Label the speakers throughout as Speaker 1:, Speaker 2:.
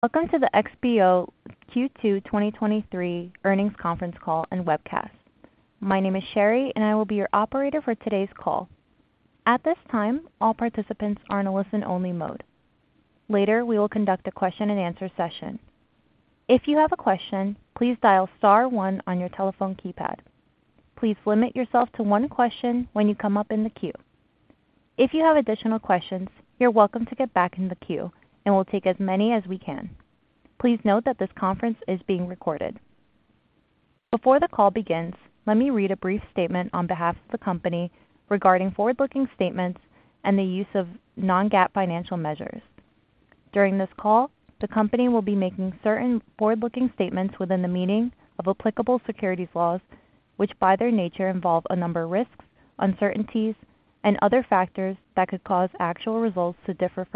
Speaker 1: Welcome to the XPO Q2 2023 Earnings Conference Call and Webcast. My name is Sherry, and I will be your operator for today's call. At this time, all participants are in a listen-only mode. Later, we will conduct a question-and-answer session. If you have a question, please dial star one on your telephone keypad. Please limit yourself to one question when you come up in the queue. If you have additional questions, you're welcome to get back in the queue, and we'll take as many as we can. Please note that this conference is being recorded. Before the call begins, let me read a brief statement on behalf of the company regarding forward-looking statements and the use of non-GAAP financial measures. During this call, the company will be making certain forward-looking statements within the meaning of applicable securities laws, which, by their nature, involve a number of risks, uncertainties, and other factors that could cause actual results to differ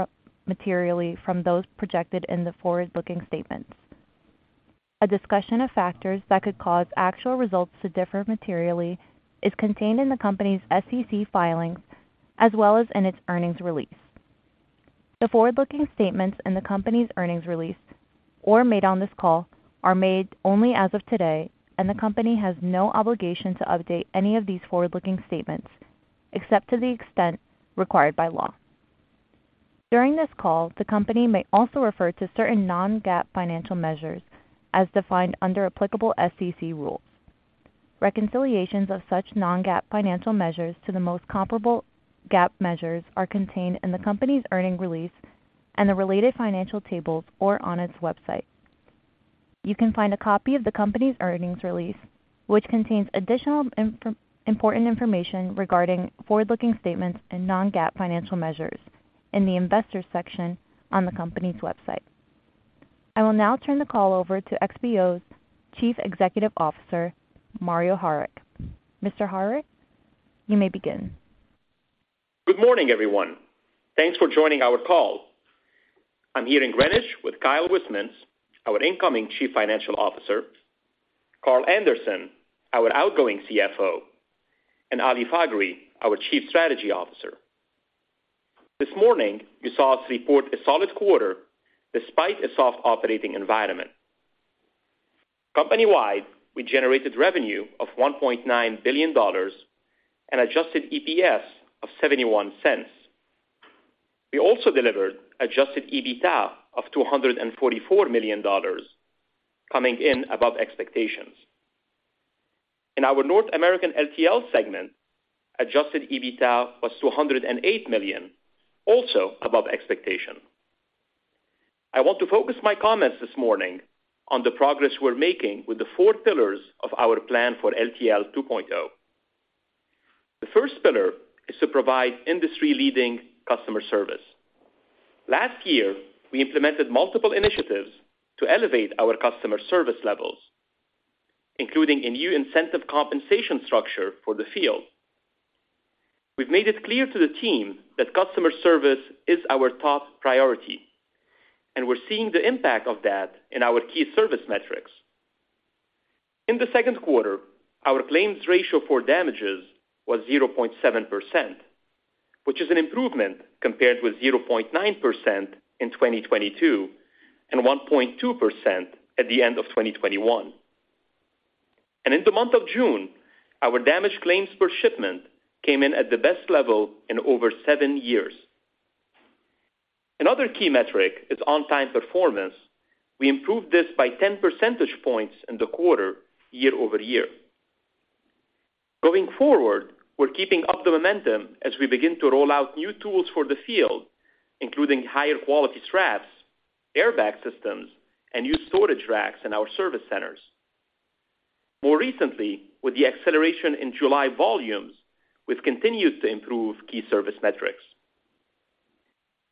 Speaker 1: from, materially from those projected in the forward-looking statements. A discussion of factors that could cause actual results to differ materially is contained in the company's SEC filings as well as in its earnings release. The forward-looking statements in the company's earnings release or made on this call are made only as of today, and the company has no obligation to update any of these forward-looking statements, except to the extent required by law. During this call, the company may also refer to certain non-GAAP financial measures as defined under applicable SEC rules. Reconciliations of such non-GAAP financial measures to the most comparable GAAP measures are contained in the company's earnings release and the related financial tables, or on its website. You can find a copy of the company's earnings release, which contains additional info, important information regarding forward-looking statements and non-GAAP financial measures in the Investors section on the company's website. I will now turn the call over to XPO's Chief Executive Officer, Mario Harik. Mr. Harik, you may begin.
Speaker 2: Good morning, everyone. Thanks for joining our call. I'm here in Greenwich with Kyle Wismans, our incoming Chief Financial Officer, Carl Anderson, our outgoing CFO, and Ali Faghri, our Chief Strategy Officer. This morning, you saw us report a solid quarter despite a soft operating environment. Company-wide, we generated revenue of $1.9 billion and Adjusted EPS of $0.71. We also delivered Adjusted EBITDA of $244 million, coming in above expectations. In our North American LTL segment, Adjusted EBITDA was $208 million, also above expectation. I want to focus my comments this morning on the progress we're making with the four pillars of our plan for LTL 2.0. The first pillar is to provide industry-leading customer service. Last year, we implemented multiple initiatives to elevate our customer service levels, including a new incentive compensation structure for the field. We've made it clear to the team that customer service is our top priority, and we're seeing the impact of that in our key service metrics. In the second quarter, our claims ratio for damages was 0.7%, which is an improvement compared with 0.9% in 2022, and 1.2% at the end of 2021. In the month of June, our damage claims per shipment came in at the best level in over seven years. Another key metric is on-time performance. We improved this by 10 percentage points in the quarter, year-over-year. Going forward, we're keeping up the momentum as we begin to roll out new tools for the field, including higher quality straps, airbag systems, and new storage racks in our service centers. More recently, with the acceleration in July volumes, we've continued to improve key service metrics.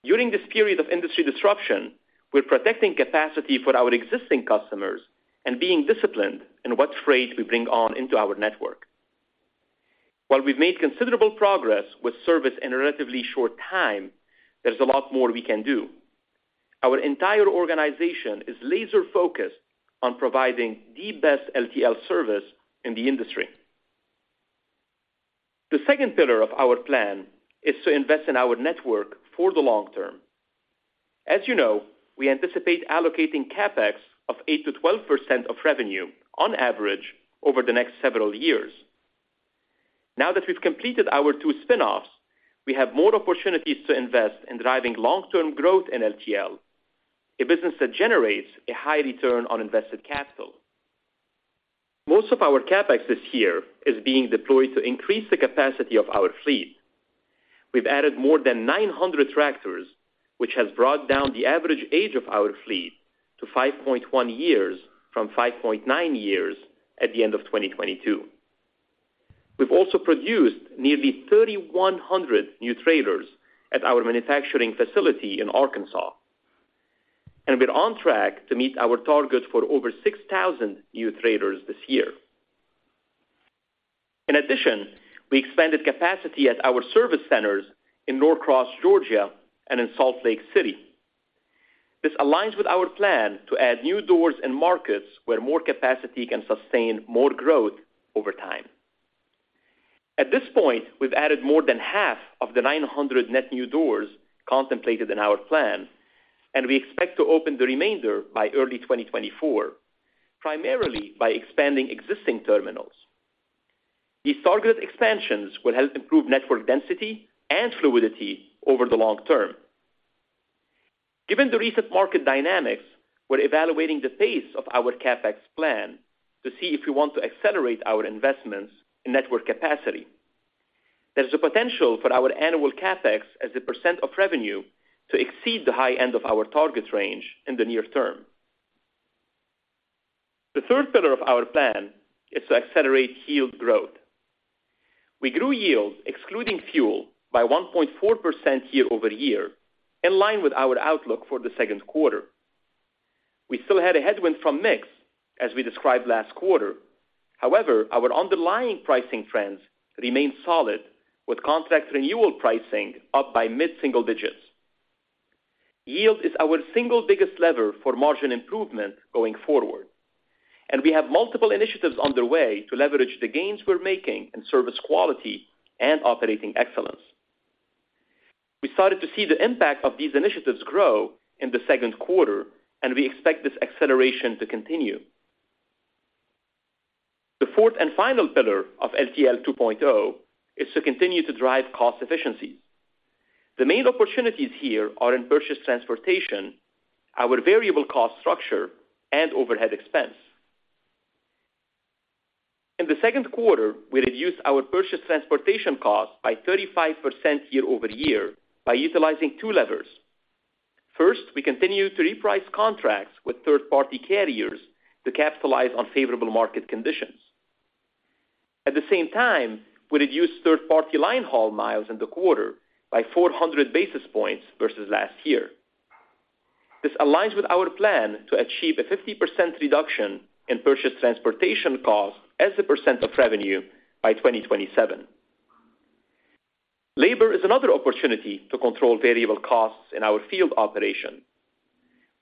Speaker 2: During this period of industry disruption, we're protecting capacity for our existing customers and being disciplined in what freight we bring on into our network. While we've made considerable progress with service in a relatively short time, there's a lot more we can do. Our entire organization is laser-focused on providing the best LTL service in the industry. The second pillar of our plan is to invest in our network for the long term. As you know, we anticipate allocating CapEx of 8-12% of revenue on average over the next several years. Now that we've completed our two spinoffs, we have more opportunities to invest in driving long-term growth in LTL, a business that generates a high return on invested capital. Most of our CapEx this year is being deployed to increase the capacity of our fleet. We've added more than 900 tractors, which has brought down the average age of our fleet to 5.1 years, from 5.9 years at the end of 2022. We've also produced nearly 3,100 new trailers at our manufacturing facility in Arkansas, and we're on track to meet our target for over 6,000 new trailers this year. In addition, we expanded capacity at our service centers in Norcross, Georgia, and in Salt Lake City. This aligns with our plan to add new doors and markets where more capacity can sustain more growth over time. At this point, we've added more than half of the 900 net new doors contemplated in our plan, and we expect to open the remainder by early 2024, primarily by expanding existing terminals. These targeted expansions will help improve network density and fluidity over the long term. Given the recent market dynamics, we're evaluating the pace of our CapEx plan to see if we want to accelerate our investments in network capacity. There's a potential for our annual CapEx as a % of revenue, to exceed the high end of our target range in the near term. The third pillar of our plan is to accelerate yield growth. We grew yield, excluding fuel, by 1.4% year-over-year, in line with our outlook for the second quarter. We still had a headwind from mix, as we described last quarter. However, our underlying pricing trends remain solid, with contract renewal pricing up by mid-single digits. Yield is our single biggest lever for margin improvement going forward, and we have multiple initiatives underway to leverage the gains we're making in service quality and operating excellence. We started to see the impact of these initiatives grow in the second quarter, and we expect this acceleration to continue. The fourth and final pillar of LTL 2.0 is to continue to drive cost efficiencies. The main opportunities here are in purchased transportation, our variable cost structure, and overhead expense. In the second quarter, we reduced our purchased transportation costs by 35% year-over-year by utilizing two levers. First, we continued to reprice contracts with third-party carriers to capitalize on favorable market conditions. At the same time, we reduced third-party line haul miles in the quarter by 400 basis points versus last year. This aligns with our plan to achieve a 50% reduction in purchased transportation costs as a % of revenue by 2027. Labor is another opportunity to control variable costs in our field operation.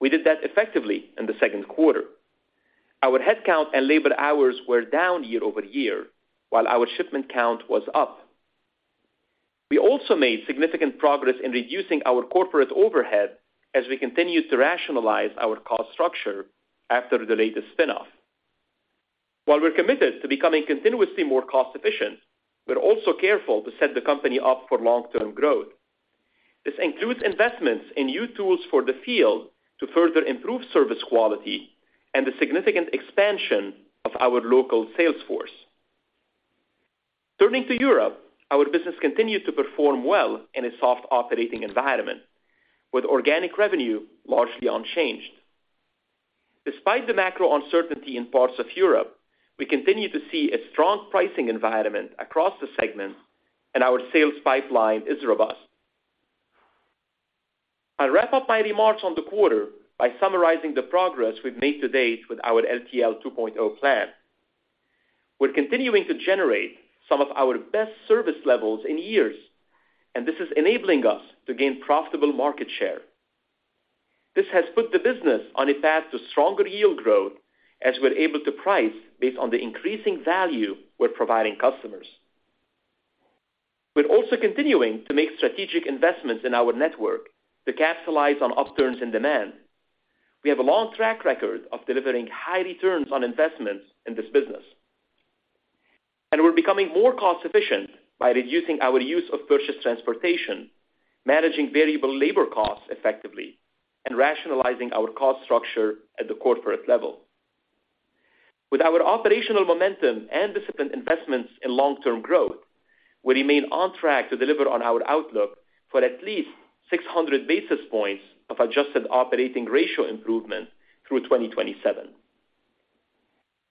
Speaker 2: We did that effectively in the second quarter. Our headcount and labor hours were down year-over-year, while our shipment count was up. We also made significant progress in reducing our corporate overhead as we continued to rationalize our cost structure after the latest spin-off. While we're committed to becoming continuously more cost-efficient, we're also careful to set the company up for long-term growth. This includes investments in new tools for the field to further improve service quality and the significant expansion of our local sales force. Turning to Europe, our business continued to perform well in a soft operating environment, with organic revenue largely unchanged. Despite the macro uncertainty in parts of Europe, we continue to see a strong pricing environment across the segments. Our sales pipeline is robust. I'll wrap up my remarks on the quarter by summarizing the progress we've made to date with our LTL 2.0 plan. We're continuing to generate some of our best service levels in years. This is enabling us to gain profitable market share. This has put the business on a path to stronger yield growth as we're able to price based on the increasing value we're providing customers. We're also continuing to make strategic investments in our network to capitalize on upturns in demand. We have a long track record of delivering high returns on investments in this business, and we're becoming more cost-efficient by reducing our use of purchased transportation, managing variable labor costs effectively, and rationalizing our cost structure at the corporate level. With our operational momentum and disciplined investments in long-term growth, we remain on track to deliver on our outlook for at least 600 basis points of adjusted operating ratio improvement through 2027.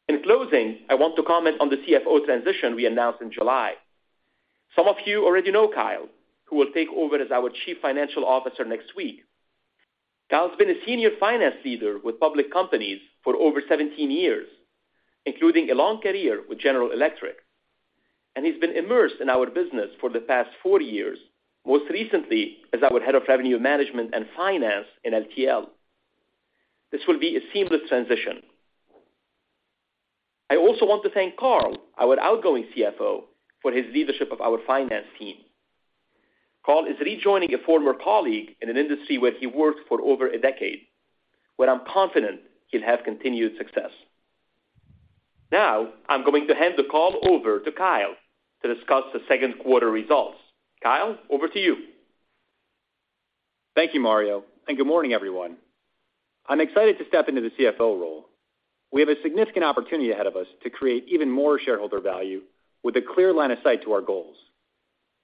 Speaker 2: In closing, I want to comment on the CFO transition we announced in July. Some of you already know Kyle, who will take over as our Chief Financial Officer next week. Kyle's been a senior finance leader with public companies for over 17 years, including a long career with General Electric, and he's been immersed in our business for the past four years, most recently as our head of revenue management and finance in LTL. This will be a seamless transition. I also want to thank Carl, our outgoing CFO, for his leadership of our finance team. Carl is rejoining a former colleague in an industry where he worked for over a decade, where I'm confident he'll have continued success. Now, I'm going to hand the call over to Kyle to discuss the second quarter results. Kyle, over to you.
Speaker 3: Thank you, Mario. Good morning, everyone. I'm excited to step into the CFO role. We have a significant opportunity ahead of us to create even more shareholder value with a clear line of sight to our goals.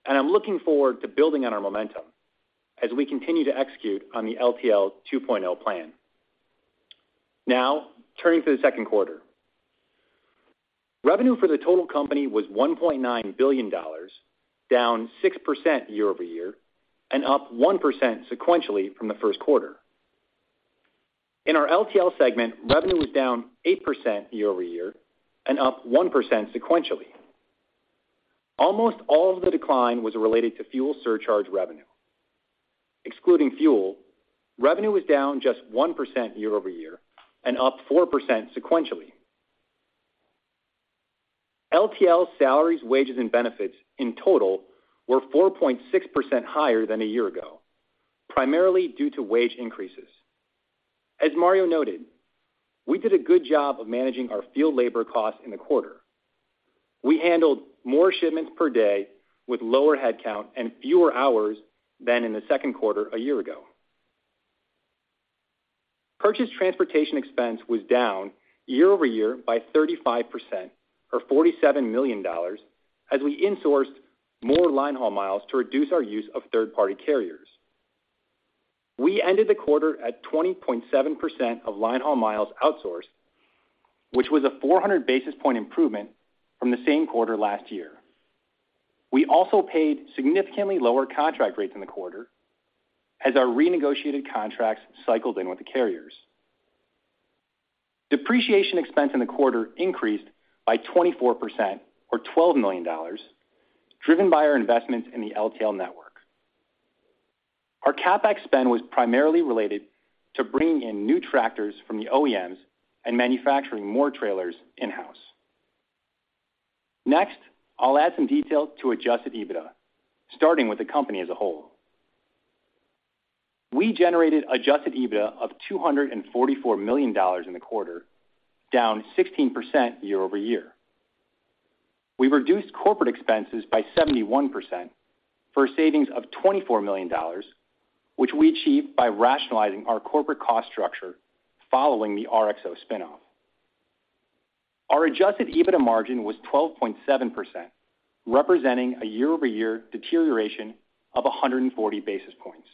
Speaker 3: I'm looking forward to building on our momentum as we continue to execute on the LTL 2.0 plan. Turning to the second quarter. Revenue for the total company was $1.9 billion, down 6% year-over-year and up 1% sequentially from the first quarter. In our North American LTL segment, revenue was down 8% year-over-year and up 1% sequentially. Almost all of the decline was related to fuel surcharge revenue. Excluding fuel, revenue was down just 1% year-over-year and up 4% sequentially. LTL salaries, wages, and benefits in total were 4.6% higher than a year ago, primarily due to wage increases. As Mario noted, we did a good job of managing our field labor costs in the quarter. We handled more shipments per day with lower headcount and fewer hours than in the second quarter a year ago. Purchase transportation expense was down year-over-year by 35%, or $47 million, as we insourced more line haul miles to reduce our use of third-party carriers. We ended the quarter at 20.7% of line haul miles outsourced, which was a 400 basis point improvement from the same quarter last year. We also paid significantly lower contract rates in the quarter as our renegotiated contracts cycled in with the carriers. Depreciation expense in the quarter increased by 24%, or $12 million, driven by our investments in the LTL network. Our CapEx spend was primarily related to bringing in new tractors from the OEMs and manufacturing more trailers in-house. Next, I'll add some detail to Adjusted EBITDA, starting with the company as a whole. We generated Adjusted EBITDA of $244 million in the quarter, down 16% year-over-year. We reduced corporate expenses by 71% for a savings of $24 million, which we achieved by rationalizing our corporate cost structure following the RXO spin-off. Our Adjusted EBITDA margin was 12.7%, representing a year-over-year deterioration of 140 basis points.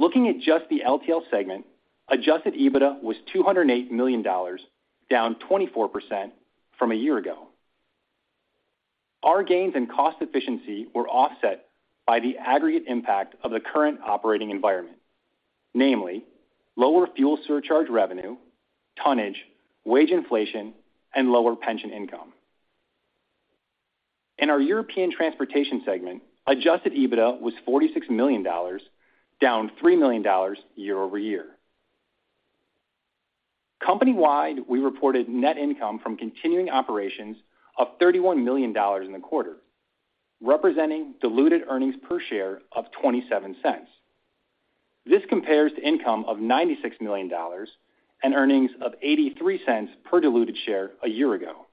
Speaker 3: Looking at just the LTL segment, Adjusted EBITDA was $208 million, down 24% from a year ago. Our gains in cost efficiency were offset by the aggregate impact of the current operating environment, namely, lower fuel surcharge revenue, tonnage, wage inflation, and lower pension income. In our European transportation segment, Adjusted EBITDA was $46 million, down $3 million year-over-year. Company-wide, we reported net income from continuing operations of $31 million in the quarter, representing diluted earnings per share of $0.27. This compares to income of $96 million and earnings of $0.83 per diluted share a year ago.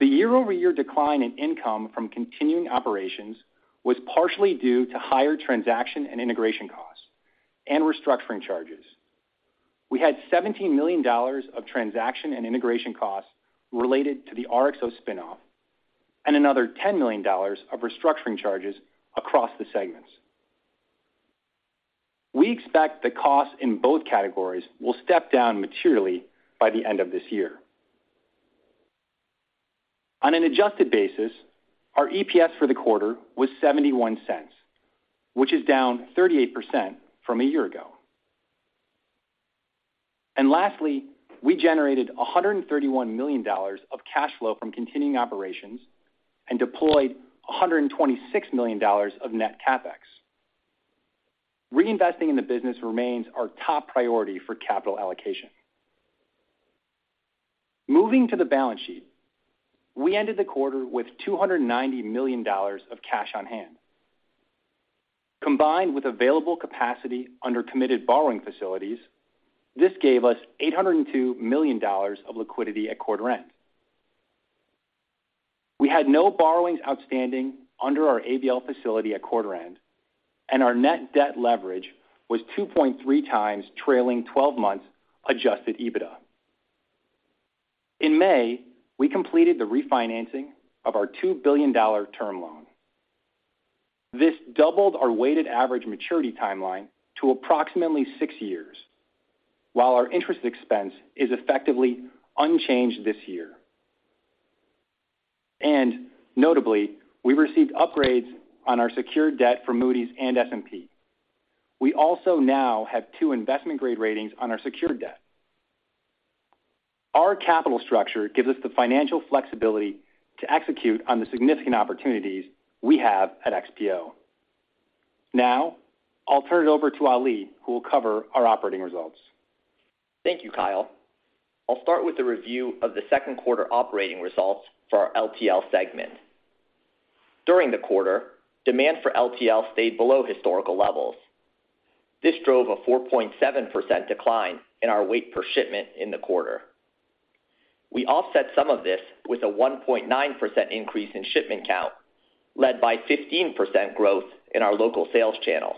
Speaker 3: The year-over-year decline in income from continuing operations was partially due to higher transaction and integration costs and restructuring charges. We had $17 million of transaction and integration costs related to the RXO spin-off, and another $10 million of restructuring charges across the segments. We expect the costs in both categories will step down materially by the end of this year. On an adjusted basis, our EPS for the quarter was $0.71, which is down 38% from a year ago. Lastly, we generated $131 million of cash flow from continuing operations and deployed $126 million of net CapEx. Reinvesting in the business remains our top priority for capital allocation. Moving to the balance sheet, we ended the quarter with $290 million of cash on hand. Combined with available capacity under committed borrowing facilities, this gave us $802 million of liquidity at quarter end. We had no borrowings outstanding under our ABL facility at quarter end, and our net debt leverage was 2.3 times trailing twelve months Adjusted EBITDA. In May, we completed the refinancing of our $2 billion term loan. This doubled our weighted average maturity timeline to approximately six years, while our interest expense is effectively unchanged this year. Notably, we received upgrades on our secured debt from Moody's and S&P. We also now have two investment-grade ratings on our secured debt. Our capital structure gives us the financial flexibility to execute on the significant opportunities we have at XPO. I'll turn it over to Ali, who will cover our operating results.
Speaker 4: Thank you, Kyle. I'll start with a review of the second quarter operating results for our LTL segment. During the quarter, demand for LTL stayed below historical levels. This drove a 4.7% decline in our weight per shipment in the quarter. We offset some of this with a 1.9% increase in shipment count, led by 15% growth in our local sales channel.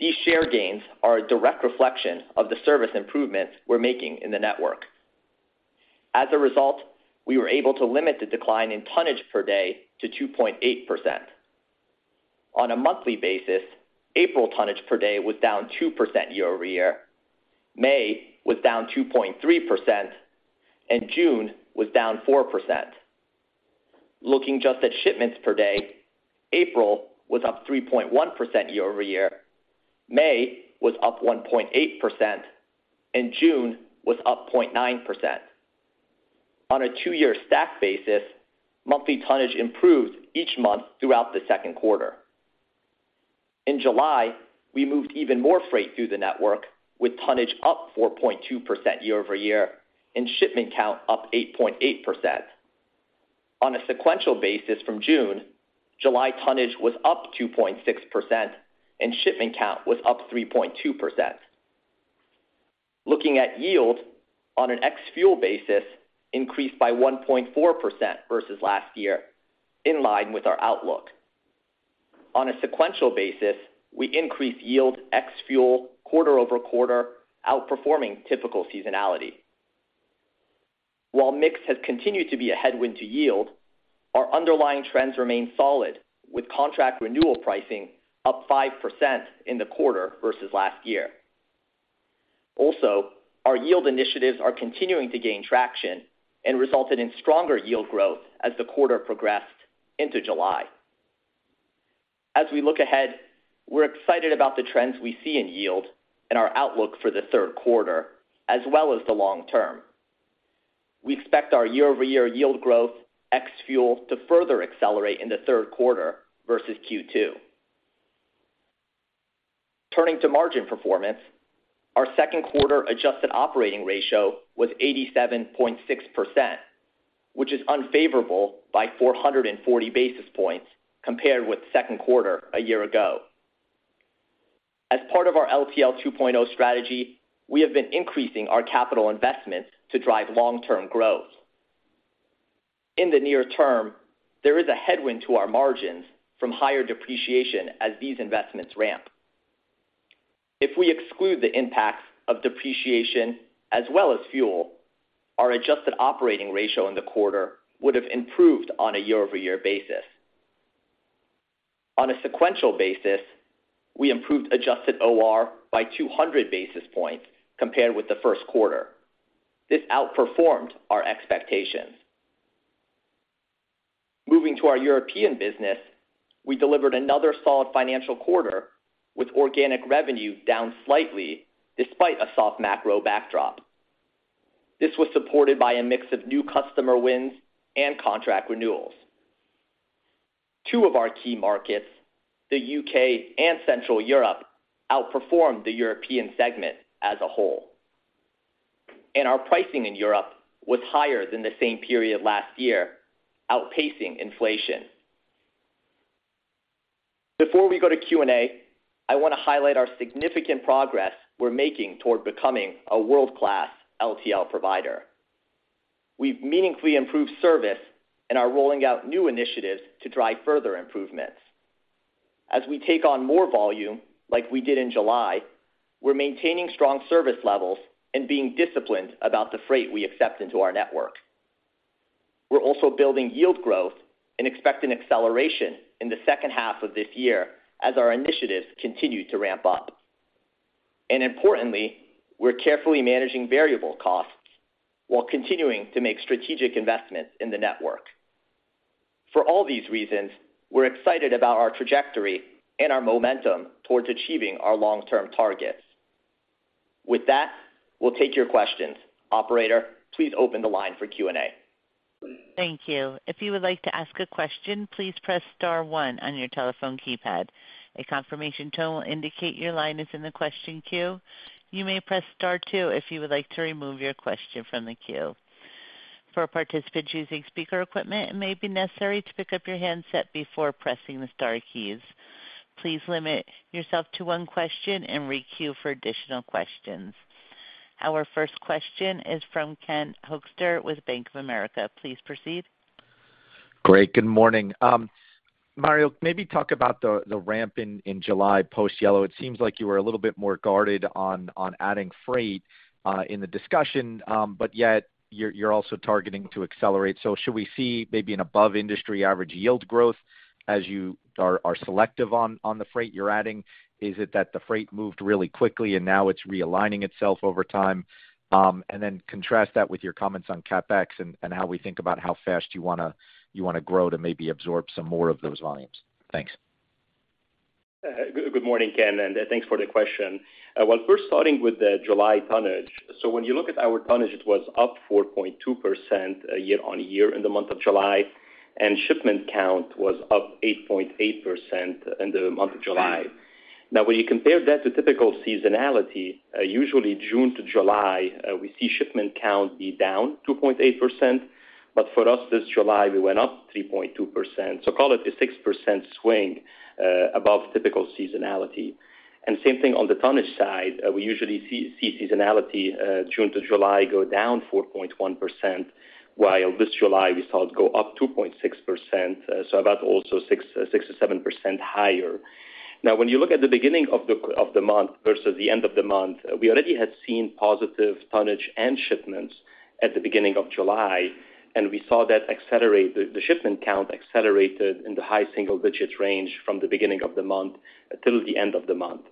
Speaker 4: These share gains are a direct reflection of the service improvements we're making in the network. As a result, we were able to limit the decline in tonnage per day to 2.8%. On a monthly basis, April tonnage per day was down 2% year-over-year, May was down 2.3%, and June was down 4%. Looking just at shipments per day, April was up 3.1% year-over-year, May was up 1.8%, and June was up 0.9%. On a two-year stack basis, monthly tonnage improved each month throughout the second quarter. In July, we moved even more freight through the network, with tonnage up 4.2% year-over-year and shipment count up 8.8%. On a sequential basis from June, July tonnage was up 2.6%, and shipment count was up 3.2%. Looking at yield, on an ex-fuel basis, increased by 1.4% versus last year, in line with our outlook. On a sequential basis, we increased yield ex-fuel quarter-over-quarter, outperforming typical seasonality. While mix has continued to be a headwind to yield, our underlying trends remain solid, with contract renewal pricing up 5% in the quarter versus last year. Also, our yield initiatives are continuing to gain traction and resulted in stronger yield growth as the quarter progressed into July. As we look ahead, we're excited about the trends we see in yield and our outlook for the third quarter, as well as the long term. We expect our year-over-year yield growth, ex-fuel, to further accelerate in the third quarter versus Q2. Turning to margin performance, our second quarter adjusted operating ratio was 87.6%, which is unfavorable by 440 basis points compared with second quarter a year ago. As part of our LTL 2.0 strategy, we have been increasing our capital investments to drive long-term growth. In the near term, there is a headwind to our margins from higher depreciation as these investments ramp. If we exclude the impacts of depreciation as well as fuel, our adjusted operating ratio in the quarter would have improved on a year-over-year basis. On a sequential basis, we improved adjusted OR by 200 basis points compared with the first quarter. This outperformed our expectations. Moving to our European business, we delivered another solid financial quarter, with organic revenue down slightly despite a soft macro backdrop. This was supported by a mix of new customer wins and contract renewals. Two of our key markets, the U.K. and Central Europe, outperformed the European segment as a whole. Our pricing in Europe was higher than the same period last year, outpacing inflation. Before we go to Q&A, I want to highlight our significant progress we're making toward becoming a world-class LTL provider. We've meaningfully improved service and are rolling out new initiatives to drive further improvements. As we take on more volume, like we did in July, we're maintaining strong service levels and being disciplined about the freight we accept into our network. We're also building yield growth and expect an acceleration in the second half of this year as our initiatives continue to ramp up. Importantly, we're carefully managing variable costs while continuing to make strategic investments in the network. For all these reasons, we're excited about our trajectory and our momentum towards achieving our long-term targets. With that, we'll take your questions. Operator, please open the line for Q&A.
Speaker 1: Thank you. If you would like to ask a question, please press star one on your telephone keypad. A confirmation tone will indicate your line is in the question queue. You may press star two if you would like to remove your question from the queue. For participants using speaker equipment, it may be necessary to pick up your handset before pressing the star keys. Please limit yourself to one question and re-queue for additional questions. Our first question is from Ken Hoexter with Bank of America. Please proceed.
Speaker 5: Great. Good morning. Mario, maybe talk about the, the ramp in, in July post Yellow. It seems like you were a little bit more guarded on, on adding freight in the discussion, but yet you're, you're also targeting to accelerate. Should we see maybe an above industry average yield growth as you are, are selective on, on the freight you're adding? Is it that the freight moved really quickly and now it's realigning itself over time? Contrast that with your comments on CapEx and, and how we think about how fast you want to, you want to grow to maybe absorb some more of those volumes. Thanks.
Speaker 4: Good morning, Ken, and thanks for the question. Well, first starting with the July tonnage. When you look at our tonnage, it was up 4.2% year-over-year in the month of July, and shipment count was up 8.8% in the month of July. When you compare that to typical seasonality, usually June to July, we see shipment count be down 2.8%. For us, this July, we went up 3.2%. Call it a 6% swing above typical seasonality. Same thing on the tonnage side. We usually see seasonality, June to July, go down 4.1%, while this July, we saw it go up 2.6%, so about also 6%-7% higher. When you look at the beginning of the month versus the end of the month, we already had seen positive tonnage and shipments at the beginning of July, and we saw that accelerate, the shipment count accelerated in the high single digits range from the beginning of the month till the end of the month.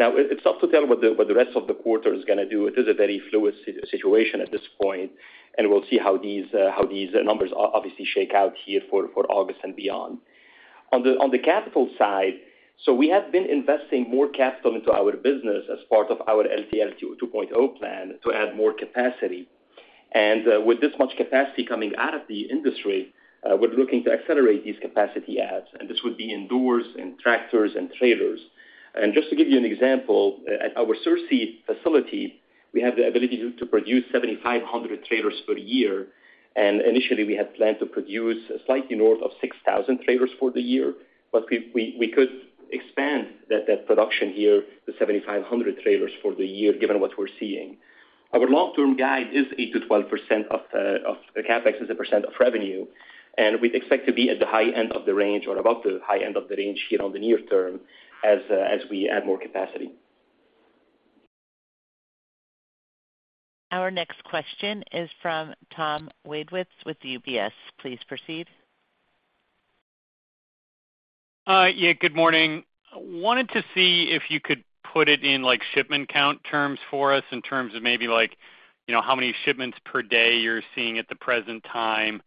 Speaker 4: It's tough to tell what the, what the rest of the quarter is going to do. It is a very fluid situation at this point, and we'll see how these, how these numbers obviously shake out here for, for August and beyond.
Speaker 2: On the capital side, we have been investing more capital into our business as part of our LTL 2.0 plan to add more capacity. With this much capacity coming out of the industry, we're looking to accelerate these capacity adds, and this would be in doors, in tractors, and trailers. Just to give you an example, at our Searcy facility, we have the ability to produce 7,500 trailers per year, and initially we had planned to produce slightly north of 6,000 trailers for the year. We could expand that production year to 7,500 trailers for the year, given what we're seeing. Our long-term guide is 8%-12% of the CapEx as a percent of revenue, and we'd expect to be at the high end of the range or above the high end of the range here on the near term as, as we add more capacity.
Speaker 1: Our next question is from Tom Wadewitz with UBS. Please proceed.
Speaker 6: Yeah, good morning. Wanted to see if you could put it in, like, shipment count terms for us in terms of maybe like, you know, how many shipments per day you're seeing at the present time,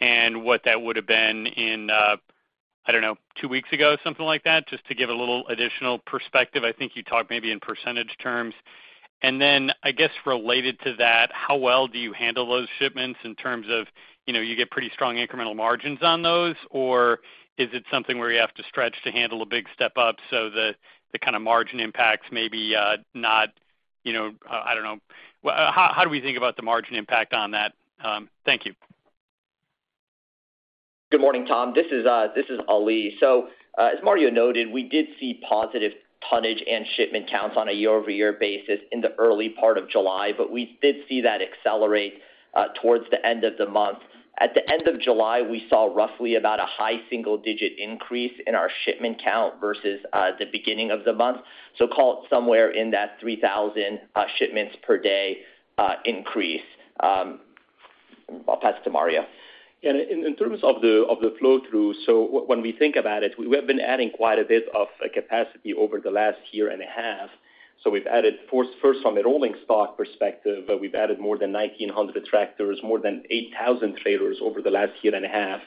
Speaker 6: and what that would have been in, I don't know, two weeks ago, something like that, just to give a little additional perspective. I think you talked maybe in percentage terms. Then, I guess, related to that, how well do you handle those shipments in terms of, you know, you get pretty strong incremental margins on those? Or is it something where you have to stretch to handle a big step up so the, the kind of margin impacts may be not, you know, I don't know. Well, how, how do we think about the margin impact on that? Thank you.
Speaker 4: Good morning, Tom. This is Ali. As Mario noted, we did see positive tonnage and shipment counts on a year-over-year basis in the early part of July, but we did see that accelerate towards the end of the month. At the end of July, we saw roughly about a high single-digit increase in our shipment count versus the beginning of the month. Call it somewhere in that 3,000 shipments per day increase. I'll pass it to Mario.
Speaker 2: Yeah, in terms of the flow-through. When we think about it, we have been adding quite a bit of capacity over the last year and a half. We've added force first on the rolling stock perspective, but we've added more than 1,900 tractors, more than 8,000 trailers over the last year and a half.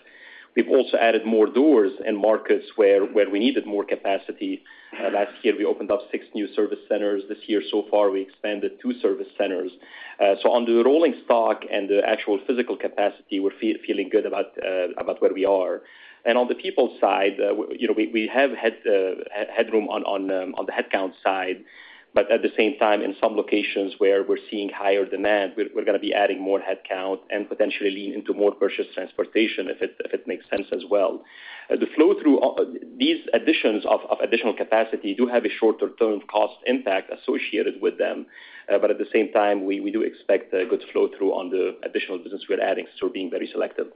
Speaker 2: We've also added more doors in markets where we needed more capacity. Last year, we opened up six new service centers. This year, so far, we expanded two service centers. On the rolling stock and the actual physical capacity, we're feeling good about where we are. On the people side, you know, we, we have had, headroom on, on, on the headcount side, but at the same time, in some locations where we're seeing higher demand, we're, we're gonna be adding more headcount and potentially lean into more purchased transportation if it makes sense as well. The flow-through, these additions of, of additional capacity do have a shorter-term cost impact associated with them, but at the same time, we, we do expect a good flow-through on the additional business we're adding, so being very selective.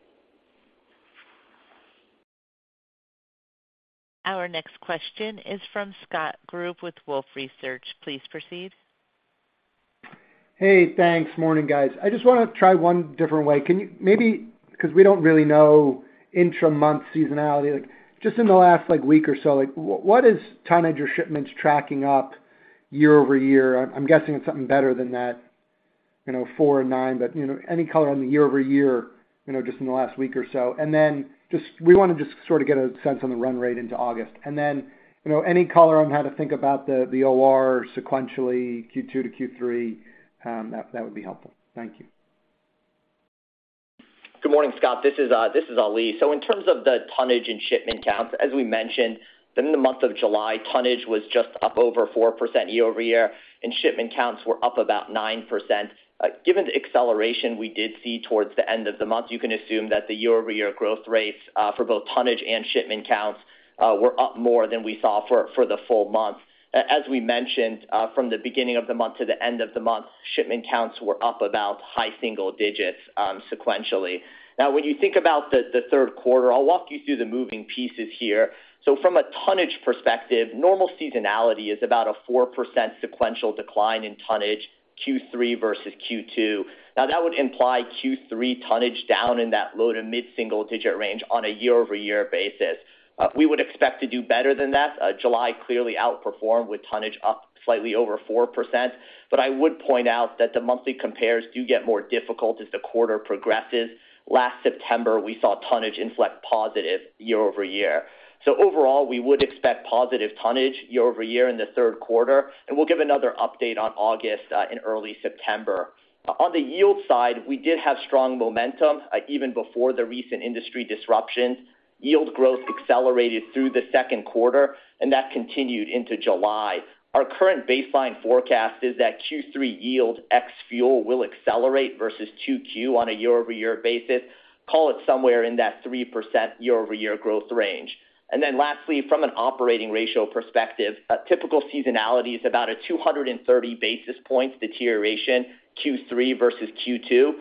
Speaker 1: Our next question is from Scott Group with Wolfe Research. Please proceed.
Speaker 7: Hey, thanks. Morning, guys. I just want to try one different way. Can you maybe, because we don't really know intra-month seasonality, like, just in the last, like, week or so, like, what is tonnage or shipments tracking up year-over-year? I'm guessing it's something better than that, you know, four or nine, but, you know, any color on the year-over-year, you know, just in the last week or so. We want to just sort of get a sense on the run rate into August. Any color on how to think about the OR sequentially, Q2 to Q3, that, that would be helpful. Thank you.
Speaker 4: Good morning, Scott. This is, this is Ali. In terms of the tonnage and shipment counts, as we mentioned, in the month of July, tonnage was just up over 4% year-over-year, and shipment counts were up about 9%. Given the acceleration we did see towards the end of the month, you can assume that the year-over-year growth rates for both tonnage and shipment counts were up more than we saw for, for the full month. As we mentioned, from the beginning of the month to the end of the month, shipment counts were up about high single digits sequentially. When you think about the third quarter, I'll walk you through the moving pieces here. From a tonnage perspective, normal seasonality is about a 4% sequential decline in tonnage, Q3 versus Q2. That would imply Q3 tonnage down in that low-to-mid-single-digit range on a year-over-year basis. We would expect to do better than that. July clearly outperformed, with tonnage up slightly over 4%. I would point out that the monthly compares do get more difficult as the quarter progresses. Last September, we saw tonnage inflect positive year-over-year. Overall, we would expect positive tonnage year-over-year in the third quarter, and we'll give another update on August in early September. On the yield side, we did have strong momentum even before the recent industry disruptions. Yield growth accelerated through the second quarter, and that continued into July. Our current baseline forecast is that Q3 yield ex-fuel will accelerate versus 2Q on a year-over-year basis, call it somewhere in that 3% year-over-year growth range. Then lastly, from an operating ratio perspective, a typical seasonality is about a 230 basis points deterioration, Q3 versus Q2.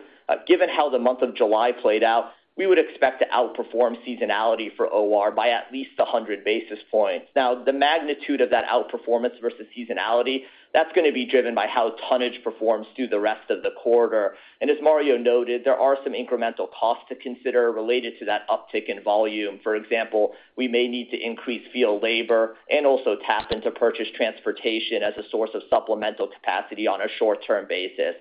Speaker 4: Given how the month of July played out, we would expect to outperform seasonality for OR by at least 100 basis points. Now, the magnitude of that outperformance versus seasonality, that's going to be driven by how tonnage performs through the rest of the quarter. As Mario noted, there are some incremental costs to consider related to that uptick in volume. For example, we may need to increase field labor and also tap into purchased transportation as a source of supplemental capacity on a short-term basis.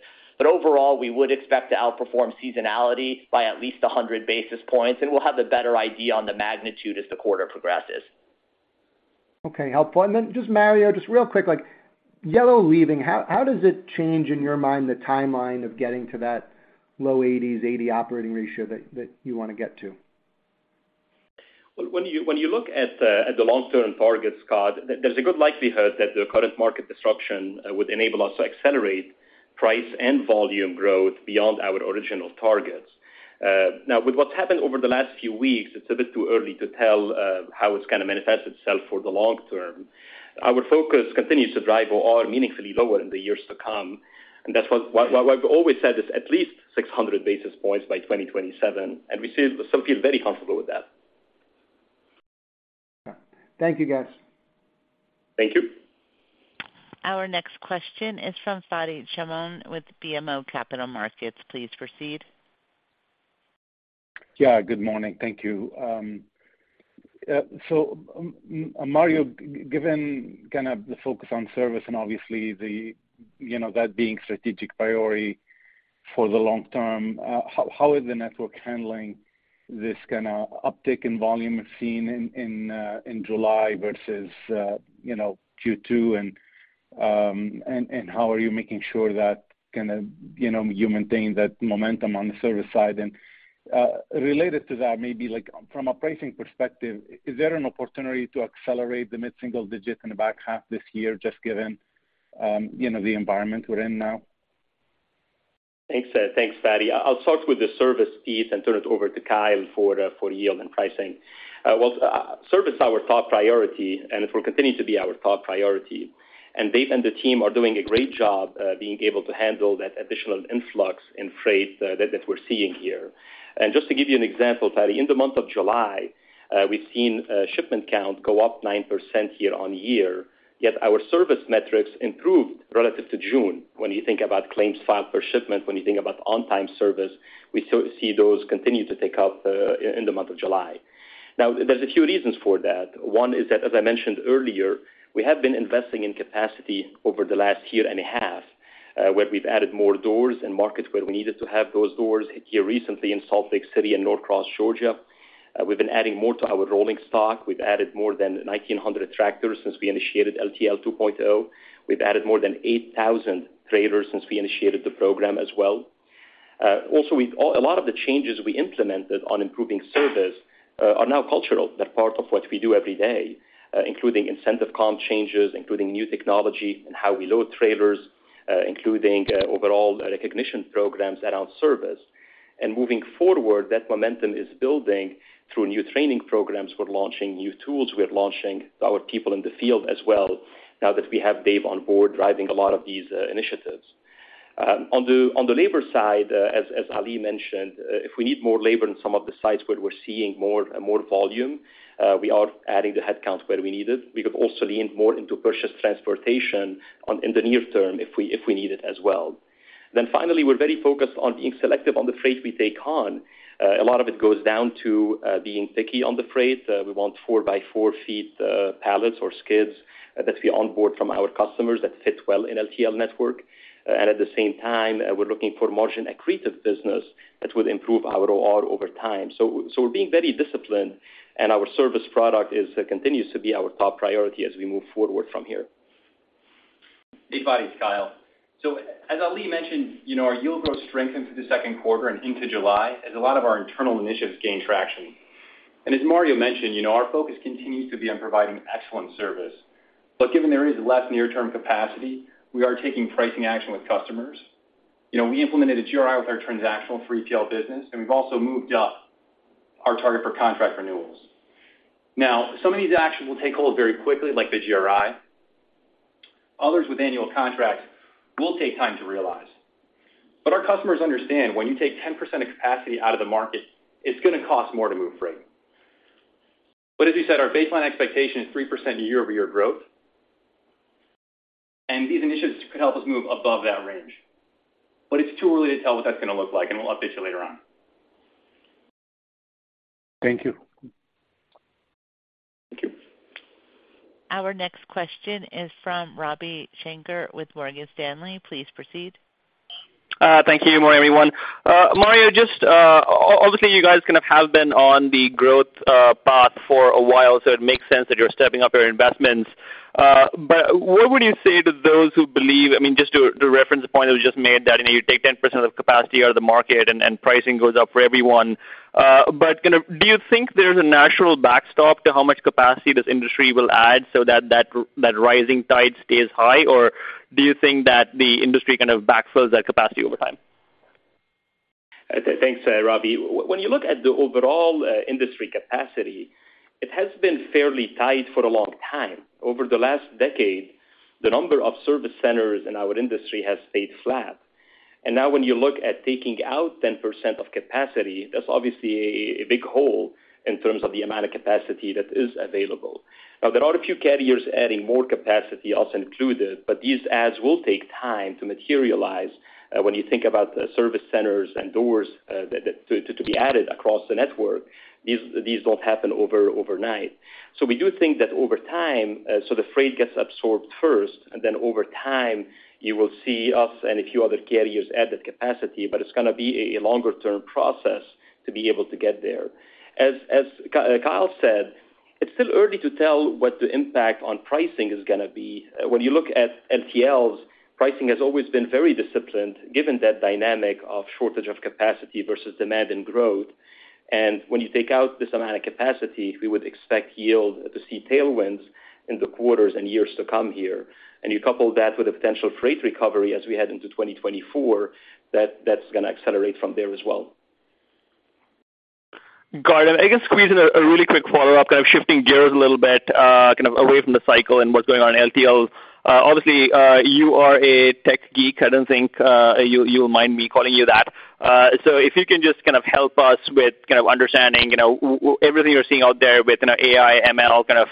Speaker 4: Overall, we would expect to outperform seasonality by at least 100 basis points, and we'll have a better idea on the magnitude as the quarter progresses.
Speaker 7: Okay, helpful. Then just Mario, just real quick, like, Yellow leaving, how does it change, in your mind, the timeline of getting to that low 80s, 80 operating ratio that you want to get to?
Speaker 2: Well, when you, when you look at the, at the long-term targets, Scott, there, there's a good likelihood that the current market disruption would enable us to accelerate price and volume growth beyond our original targets. Now, with what's happened over the last few weeks, it's a bit too early to tell how it's going to manifest itself for the long term. Our focus continues to drive OR meaningfully lower in the years to come, and that's what I've always said is at least 600 basis points by 2027, and we still, still feel very comfortable with that.
Speaker 7: Thank you, guys.
Speaker 2: Thank you.
Speaker 1: Our next question is from Fadi Chamoun with BMO Capital Markets. Please proceed.
Speaker 8: Yeah, good morning. Thank you. Mario, given kind of the focus on service and obviously the, you know, that being strategic priority for the long term, how, how is the network handling this kind of uptick in volume we've seen in July versus, you know, Q2? How are you making sure that kind of, you know, you maintain that momentum on the service side? Related to that, maybe like from a pricing perspective, is there an opportunity to accelerate the mid-single digit in the back half this year, just given, you know, the environment we're in now?
Speaker 2: Thanks, thanks, Fadi. I'll start with the service piece and turn it over to Kyle for the, for yield and pricing. Well, service is our top priority, and it will continue to be our top priority. Dave and the team are doing a great job, being able to handle that additional influx in freight that, that we're seeing here. Just to give you an example, Fadi, in the month of July, we've seen shipment count go up 9% year-over-year, yet our service metrics improved relative to June. When you think about claims filed per shipment, when you think about on-time service, we still see those continue to tick up in the month of July. Now, there's a few reasons for that. One is that, as I mentioned earlier, we have been investing in capacity over the last year and a half, where we've added more doors and markets where we needed to have those doors here recently in Salt Lake City and Norcross, Georgia. We've been adding more to our rolling stock. We've added more than 1,900 tractors since we initiated LTL 2.0. We've added more than 8,000 trailers since we initiated the program as well. Also, a lot of the changes we implemented on improving service, are now cultural. They're part of what we do every day, including incentive comp changes, including new technology and how we load trailers, including, overall recognition programs around service. Moving forward, that momentum is building through new training programs. We're launching new tools. We're launching our people in the field as well, now that we have Dave on board driving a lot of these initiatives. On the, on the labor side, as, as Ali mentioned, if we need more labor in some of the sites where we're seeing more, more volume, we are adding the headcount where we need it. We could also lean more into purchased transportation in the near term if we, if we need it as well. Finally, we're very focused on being selective on the freight we take on. A lot of it goes down to being picky on the freight. We want four-by-four feet pallets or skids that we onboard from our customers that fit well in LTL network. At the same time, we're looking for margin-accretive business that will improve our OR over time. We're being very disciplined, and our service product is continues to be our top priority as we move forward from here.
Speaker 3: Hey, Fadi, Kyle. As Ali mentioned, you know, our yield growth strengthened through the second quarter and into July as a lot of our internal initiatives gained traction. As Mario mentioned, you know, our focus continues to be on providing excellent service. Given there is less near-term capacity, we are taking pricing action with customers. You know, we implemented a GRI with our transactional free tail business, and we've also moved up our target for contract renewals. Now, some of these actions will take hold very quickly, like the GRI. Others with annual contracts will take time to realize. Our customers understand when you take 10% of capacity out of the market, it's going to cost more to move freight. As you said, our baseline expectation is 3% year-over-year growth, and these initiatives could help us move above that range. It's too early to tell what that's going to look like, and we'll update you later on.
Speaker 8: Thank you.
Speaker 3: Thank you.
Speaker 1: Our next question is from Ravi Shanker with Morgan Stanley. Please proceed.
Speaker 9: Thank you, good morning, everyone. Mario, just, obviously, you guys kind of have been on the growth, path for a while, so it makes sense that you're stepping up your investments. What would you say to those who believe, I mean, just to, to reference a point that was just made, that, you know, you take 10% of the capacity out of the market and, and pricing goes up for everyone. Kind of do you think there's a natural backstop to how much capacity this industry will add so that, that, that rising tide stays high? Do you think that the industry kind of backfills that capacity over time?
Speaker 2: Thanks, Ravi. When you look at the overall industry capacity, it has been fairly tight for a long time. Over the last decade, the number of service centers in our industry has stayed flat. Now when you look at taking out 10% of capacity, that's obviously a big hole in terms of the amount of capacity that is available. Now, there are a few carriers adding more capacity, us included, but these adds will take time to materialize. When you think about the service centers and doors, that to be added across the network, these don't happen overnight. We do think that over time, the freight gets absorbed first, and then over time, you will see us and a few other carriers add that capacity, but it's going to be a, a longer-term process to be able to get there. As Kyle said. It's still early to tell what the impact on pricing is going to be. When you look at LTLs, pricing has always been very disciplined, given that dynamic of shortage of capacity versus demand and growth. When you take out this amount of capacity, we would expect yield to see tailwinds in the quarters and years to come here. You couple that with a potential freight recovery as we head into 2024, that, that's going to accelerate from there as well.
Speaker 3: Got it. I can squeeze in a really quick follow-up, kind of shifting gears a little bit, kind of away from the cycle and what's going on in LTL. Obviously, you are a tech geek. I don't think, you, you mind me calling you that. If you can just kind of help us with kind of understanding, you know, everything you're seeing out there with, you know, AI, ML, kind of,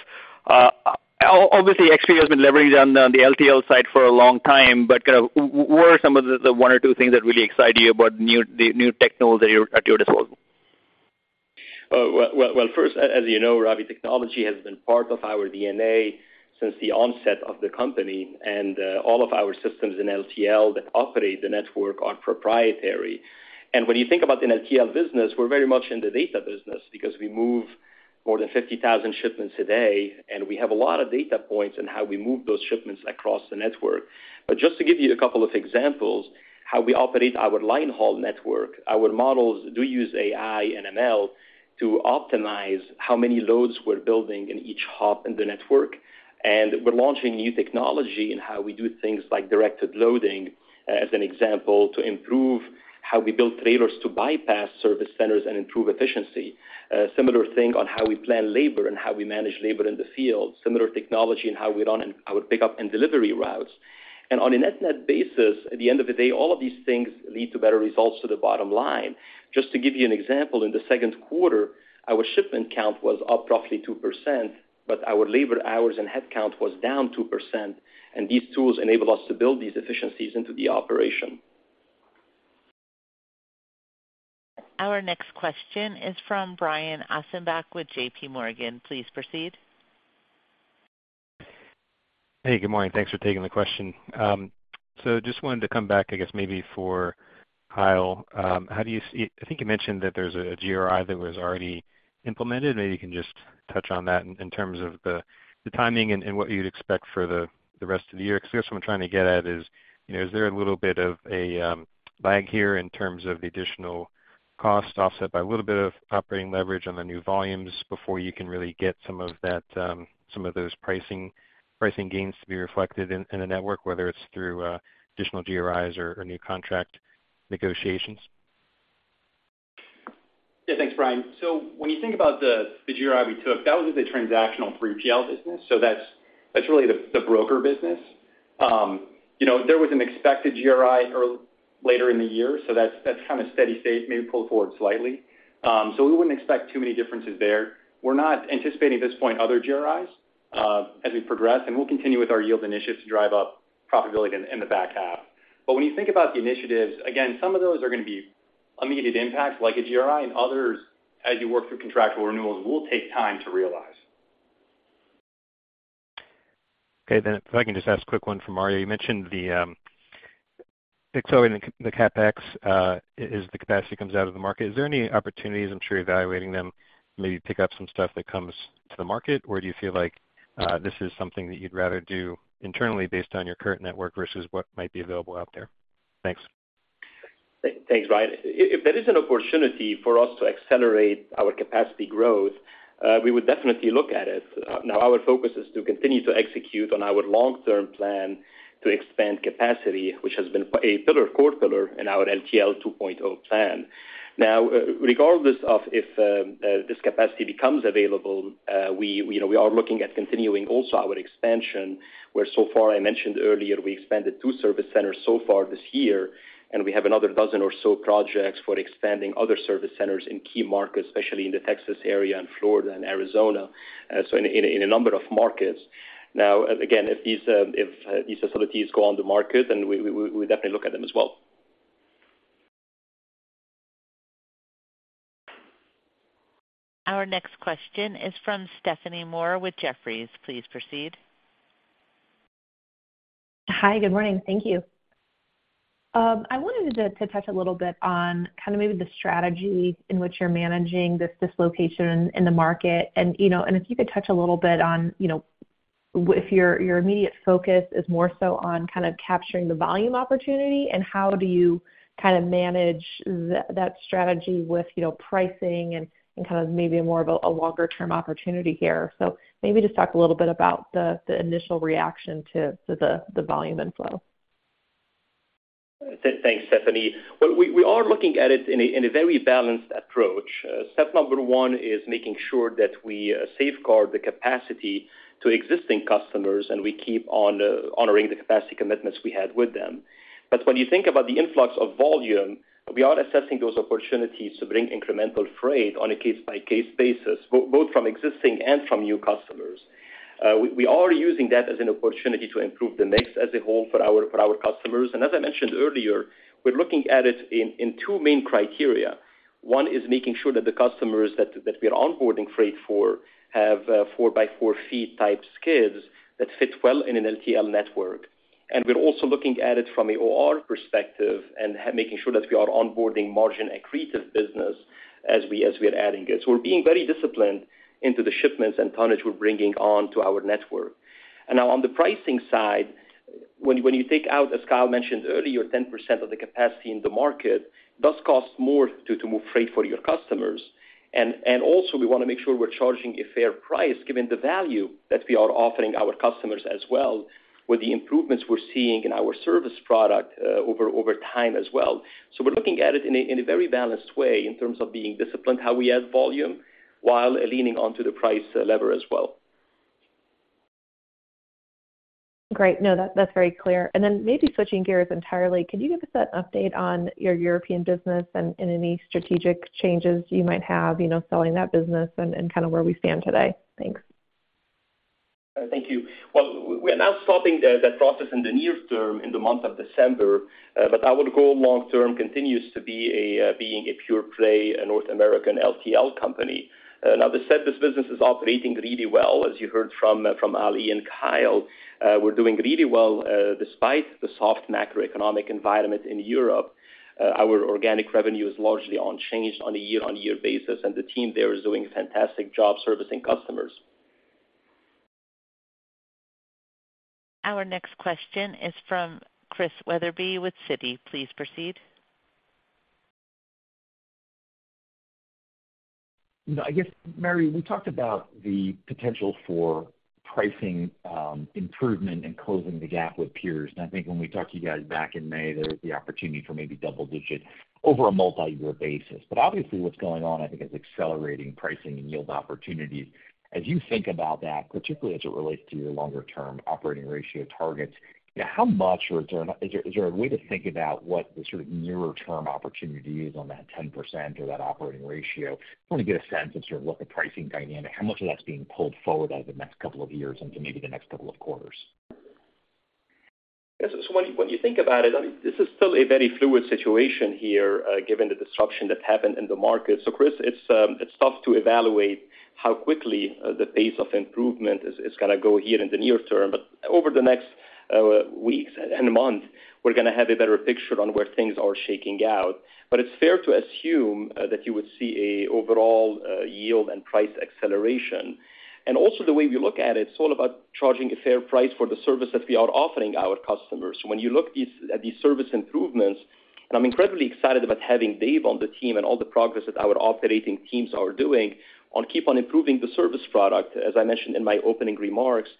Speaker 3: obviously, XPO has been leveraging on the, the LTL side for a long time, but kind of what are some of the, the one or two things that really excite you about new, the new technology at your, at your disposal?
Speaker 2: Oh, well, well, well, first, as, as you know, Ravi, technology has been part of our DNA since the onset of the company, and all of our systems in LTL that operate the network are proprietary. When you think about the LTL business, we're very much in the data business because we move more than 50,000 shipments a day, and we have a lot of data points on how we move those shipments across the network. Just to give you a couple of examples, how we operate our line haul network, our models do use AI and ML to optimize how many loads we're building in each hub in the network. We're launching new technology in how we do things like directed loading, as an example, to improve how we build trailers to bypass service centers and improve efficiency. Similar thing on how we plan labor and how we manage labor in the field. Similar technology in how we run our pickup and delivery routes. On a net-net basis, at the end of the day, all of these things lead to better results to the bottom line. Just to give you an example, in the second quarter, our shipment count was up roughly 2%, but our labor hours and headcount was down 2%, and these tools enabled us to build these efficiencies into the operation.
Speaker 1: Our next question is from Brian Ossenbeck with JPMorgan. Please proceed.
Speaker 10: Hey, good morning. Thanks for taking the question. Just wanted to come back, I guess, maybe for Kyle. How do you see I think you mentioned that there's a GRI that was already implemented. Maybe you can just touch on that in, in terms of the, the timing and, and what you'd expect for the, the rest of the year. Because I guess what I'm trying to get at is, you know, is there a little bit of a lag here in terms of the additional cost offset by a little bit of operating leverage on the new volumes before you can really get some of that, some of those pricing, pricing gains to be reflected in, in the network, whether it's through additional GRIs or, or new contract negotiations?
Speaker 3: Yeah, thanks, Brian. When you think about the GRI we took, that was a transactional 3PL business, that's really the broker business. you know, there was an expected GRI later in the year, that's kind of steady state, maybe pulled forward slightly. We wouldn't expect too many differences there. We're not anticipating at this point other GRIs as we progress, and we'll continue with our yield initiatives to drive up profitability in the back half. When you think about the initiatives, again, some of those are going to be immediate impacts, like a GRI, and others, as you work through contractual renewals, will take time to realize.
Speaker 10: Okay, if I can just ask a quick one from Mario. You mentioned the accelerating the, the CapEx as the capacity comes out of the market. Is there any opportunities, I'm sure you're evaluating them, maybe pick up some stuff that comes to the market? Do you feel like this is something that you'd rather do internally based on your current network versus what might be available out there? Thanks.
Speaker 2: Thanks, Brian. If there is an opportunity for us to accelerate our capacity growth, we would definitely look at it. Our focus is to continue to execute on our long-term plan to expand capacity, which has been a pillar, core pillar in our LTL 2.0 plan. Regardless of if this capacity becomes available, we, we, you know, we are looking at continuing also our expansion, where so far I mentioned earlier, we expanded 2 service centers so far this year, and we have another dozen or so projects for expanding other service centers in key markets, especially in the Texas area and Florida and Arizona, so in a, in a number of markets. Again, if these, if these facilities go on the market, we, we, we would definitely look at them as well.
Speaker 1: Our next question is from Stephanie Moore with Jefferies. Please proceed.
Speaker 11: Hi, good morning. Thank you. I wanted to, to touch a little bit on kind of maybe the strategy in which you're managing this dislocation in the market. You know, and if you could touch a little bit on, you know, if your, your immediate focus is more so on kind of capturing the volume opportunity, and how do you kind of manage that strategy with, you know, pricing and, and kind of maybe more of a, a longer-term opportunity here? Maybe just talk a little bit about the, the initial reaction to, to the, the volume inflow.
Speaker 2: Thanks, Stephanie. Well, we, we are looking at it in a, in a very balanced approach. Step number one is making sure that we safeguard the capacity to existing customers, and we keep on honoring the capacity commitments we had with them. When you think about the influx of volume, we are assessing those opportunities to bring incremental freight on a case-by-case basis, both from existing and from new customers. We, we are using that as an opportunity to improve the mix as a whole for our, for our customers. As I mentioned earlier, we're looking at it in, in two main criteria. One is making sure that the customers that, that we are onboarding freight for have four by four ft type skids that fit well in an LTL network. We're also looking at it from an OR perspective and making sure that we are onboarding margin accretive business as we, as we are adding it. We're being very disciplined into the shipments and tonnage we're bringing on to our network. Now on the pricing side, when, when you take out, as Kyle mentioned earlier, 10% of the capacity in the market, it does cost more to, to move freight for your customers. Also, we want to make sure we're charging a fair price, given the value that we are offering our customers as well, with the improvements we're seeing in our service product over time as well. We're looking at it in a, in a very balanced way in terms of being disciplined, how we add volume, while leaning onto the price lever as well.
Speaker 11: Great. No, that, that's very clear. Then maybe switching gears entirely, could you give us an update on your European business and, and any strategic changes you might have, you know, selling that business and, and kind of where we stand today? Thanks.
Speaker 2: Thank you. Well, we are now stopping the process in the near term, in the month of December, but our goal long term continues to be a pure play, a North American LTL company. Now, the said, this business is operating really well, as you heard from Ali and Kyle. We're doing really well, despite the soft macroeconomic environment in Europe. Our organic revenue is largely unchanged on a year-on-year basis, and the team there is doing a fantastic job servicing customers.
Speaker 1: Our next question is from Chris Wetherbee with Citi. Please proceed.
Speaker 12: You know, I guess, Mario, we talked about the potential for pricing improvement and closing the gap with peers. I think when we talked to you guys back in May, there was the opportunity for maybe double digits over a multiyear basis. Obviously, what's going on, I think, is accelerating pricing and yield opportunities. As you think about that, particularly as it relates to your longer term operating ratio targets, yeah, how much, or is there, is there a way to think about what the sort of nearer term opportunity is on that 10% or that operating ratio? I want to get a sense of sort of what the pricing dynamic, how much of that's being pulled forward over the next couple of years into maybe the next couple of quarters.
Speaker 2: Yes, when you, when you think about it, I mean, this is still a very fluid situation here, given the disruption that happened in the market. Chris, it's, it's tough to evaluate how quickly the pace of improvement is, is going to go here in the near term. Over the next weeks and months, we're going to have a better picture on where things are shaking out. It's fair to assume that you would see a overall yield and price acceleration. Also, the way we look at it, it's all about charging a fair price for the service that we are offering our customers. When you look at these service improvements, and I'm incredibly excited about having Dave on the team and all the progress that our operating teams are doing on keep on improving the service product. As I mentioned in my opening remarks,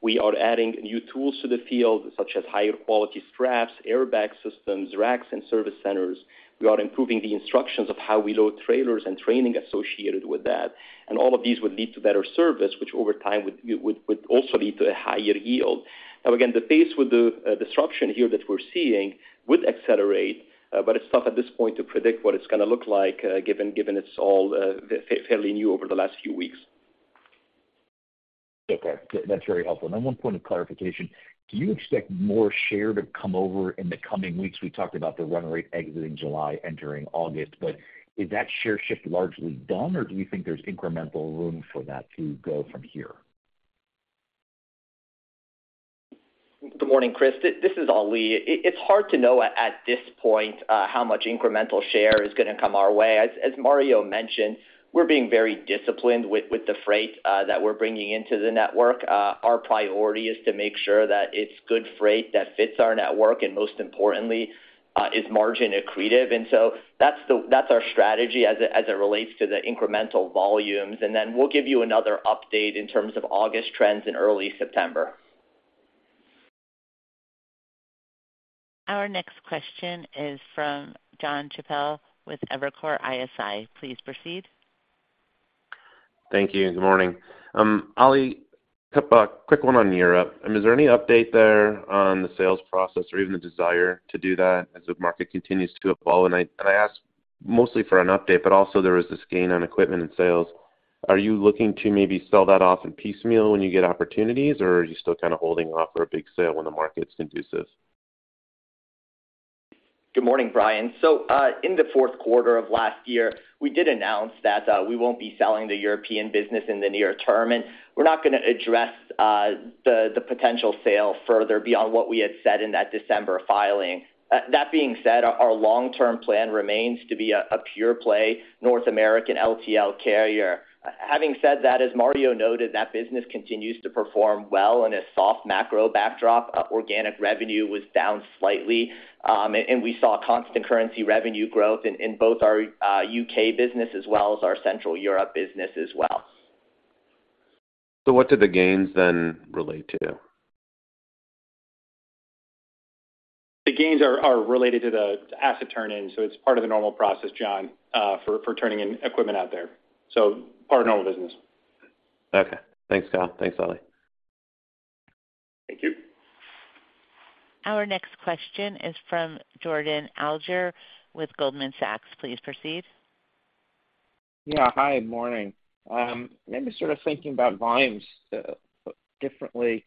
Speaker 2: we are adding new tools to the field, such as higher quality straps, airbag systems, racks, and service centers. We are improving the instructions of how we load trailers and training associated with that. And all of these would lead to better service, which over time, would also lead to a higher yield. Now, again, the pace with the disruption here that we're seeing would accelerate, but it's tough at this point to predict what it's going to look like, given, given it's all fairly new over the last few weeks.
Speaker 12: Okay. That's very helpful. Then 1 point of clarification: do you expect more share to come over in the coming weeks? We talked about the run rate exiting July, entering August, but is that share shift largely done, or do you think there's incremental room for that to go from here?
Speaker 4: Good morning, Chris. This is Ali. It's hard to know at this point how much incremental share is going to come our way. As Mario mentioned, we're being very disciplined with the freight that we're bringing into the network. Our priority is to make sure that it's good freight that fits our network, and most importantly, is margin accretive. So that's our strategy as it relates to the incremental volumes. Then we'll give you another update in terms of August trends in early September.
Speaker 1: Our next question is from Jon Chappell with Evercore ISI. Please proceed.
Speaker 13: Thank you. Good morning. Ali, quick one on Europe. I mean, is there any update there on the sales process or even the desire to do that as the market continues to evolve? I, and I ask mostly for an update, but also there is this gain on equipment and sales. Are you looking to maybe sell that off in piecemeal when you get opportunities, or are you still kind of holding off for a big sale when the market's conducive?
Speaker 4: Good morning, Brian. In the fourth quarter of last year, we did announce that we won't be selling the European business in the near term, and we're not going to address the potential sale further beyond what we had said in that December filing. That being said, our long-term plan remains to be a pure play North American LTL carrier. Having said that, as Mario noted, that business continues to perform well in a soft macro backdrop. Organic revenue was down slightly, and we saw constant currency revenue growth in both our U.K. business as well as our Central Europe business as well.
Speaker 13: What do the gains then relate to?
Speaker 4: The gains are, are related to the asset turn-in, so it's part of the normal process, Jon, for, for turning in equipment out there. So part of normal business.
Speaker 13: Okay. Thanks, Kyle. Thanks, Ali.
Speaker 4: Thank you.
Speaker 1: Our next question is from Jordan Alliger with Goldman Sachs. Please proceed.
Speaker 14: Yeah. Hi, morning. Maybe sort of thinking about volumes, differently